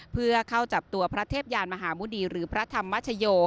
เพื่อเข้าจับตัวพระเทพยานมหาหมุณีหรือพระธรรมชโย